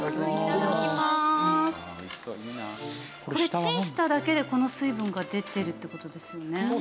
これチンしただけでこの水分が出てるって事ですよね。